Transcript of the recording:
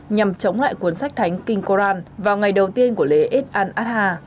nhằm chống lại cuốn sách thánh kinh quran vào ngày đầu tiên của lễ es an adha